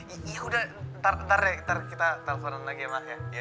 iya udah ntar ya ntar kita telepon lagi ya ma ya